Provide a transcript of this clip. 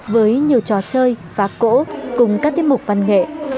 với nhiều trò chơi phá cổ cùng các tiết mục văn nghệ